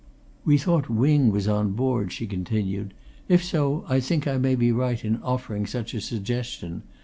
"We thought Wing was on board," she continued. "If so, I think I may be right in offering such a suggestion.